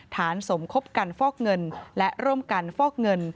สมคบกันฟอกเงินและร่วมกันฟอกเงิน